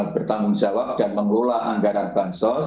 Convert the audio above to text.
bertanggung jawab dan mengelola anggaran bansos